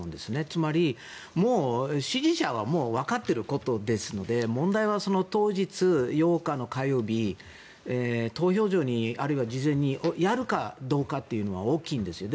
つまり、もう支持者はわかっていることですので問題は当日、８日の火曜日投票所にあるいは事前にやるかどうかというのは大きいんですよ。